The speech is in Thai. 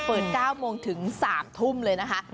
๙โมงถึง๓ทุ่มเลยนะคะ